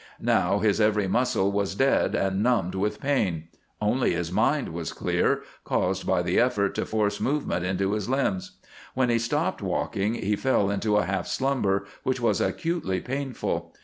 Now his every muscle was dead and numbed with pain. Only his mind was clear, caused by the effort to force movement into his limbs. When he stopped walking he fell into a half slumber which was acutely painful.